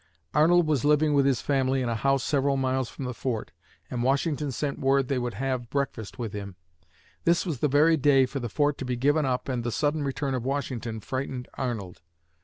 Arnold was living with his family in a house several miles from the fort and Washington sent word they would have breakfast with him. This was the very day for the fort to be given up and the sudden return of Washington frightened Arnold.